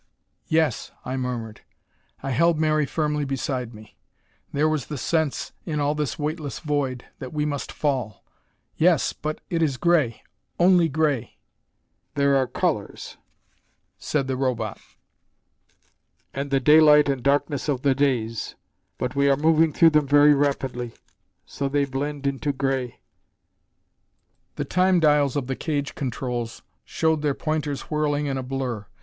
"Yes," I murmured. I held Mary firmly beside me; there was the sense, in all this weightless void, that we must fall. "Yes, but it is gray; only gray." "There are colors," said the Robot. "And the daylight and darkness of the days. But we are moving through them very rapidly, so they blend into gray." The Time dials of the cage controls showed their pointers whirling in a blur.